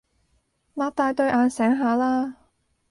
擘大對眼醒下啦